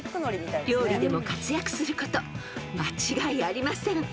［料理でも活躍すること間違いありません］